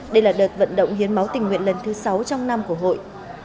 đây là đợt vận động hiến máu tình nguyện lần thứ sáu trong năm của hội